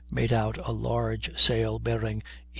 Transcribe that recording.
made out a large sail bearing E.